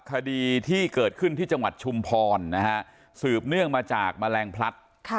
คดีที่เกิดขึ้นที่จังหวัดชุมพรนะฮะสืบเนื่องมาจากแมลงพลัด